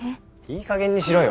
いいかげんにしろよ。